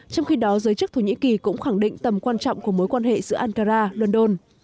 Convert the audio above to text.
trong khi đó giới chức thổ nhĩ kỳ cũng khẳng định tầm quan trọng của mối quan hệ giữa ankara london